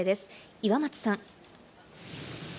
岩松さん。